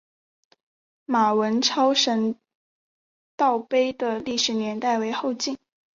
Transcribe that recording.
马文操神道碑的历史年代为后晋。